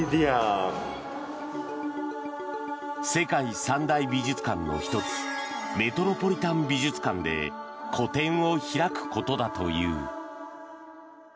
世界三大美術館の１つメトロポリタン美術館で個展を開くことだという。